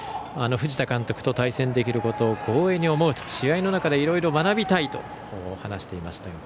藤田監督と対戦できることを光栄に思うと試合の中でいろいろ学びたいと話していました。